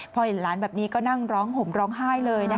พอเห็นหลานแบบนี้ก็นั่งร้องห่มร้องไห้เลยนะคะ